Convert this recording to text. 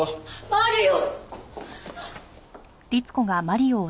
マリオ！